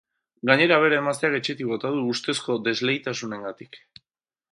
Gainera, bere emazteak etxetik bota du, ustezko desleiltasunengatik.